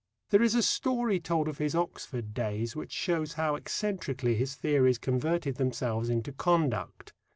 There is a story told of his Oxford days which shows how eccentrically his theories converted themselves into conduct.